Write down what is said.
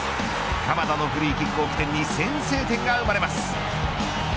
鎌田のフリーキックを起点に先制点が生まれます。